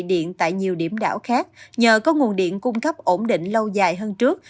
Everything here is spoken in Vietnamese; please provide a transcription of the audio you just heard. điện tại nhiều điểm đảo khác nhờ có nguồn điện cung cấp ổn định lâu dài hơn trước